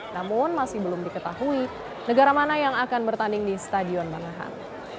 namun masih belum diketahui negara mana yang akan bertanding di stadion manahan